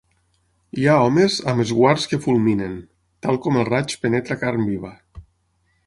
Hi ha homes amb esguards que fulminen, tal com el raig penetra carn viva.